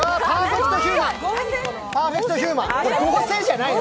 パーフェクト・ヒューマン！